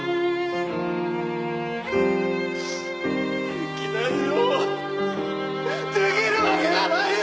できないよできるわけがないよ！